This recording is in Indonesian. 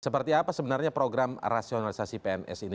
seperti apa sebenarnya program rasionalisasi pns ini